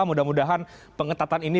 mudah mudahan pengetatan ini